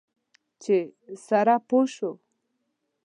چې سره پوه شو.